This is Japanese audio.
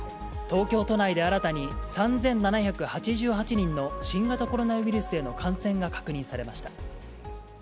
東京都内で新たに３７８８人の新型コロナウイルスへの感染が確認されました。